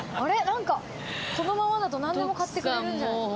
なんかこのままだとなんでも買ってくれるんじゃない？